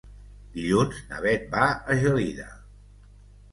Dilluns na Beth va a Gelida.